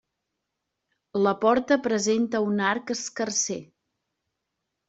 La porta presenta un arc escarser.